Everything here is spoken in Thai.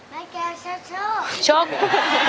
แม่เกลสู้